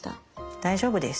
大丈夫です。